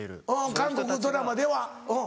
韓国ドラマではうん。